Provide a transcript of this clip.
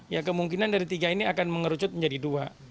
ya kemungkinan dari tiga ini akan mengerucut menjadi dua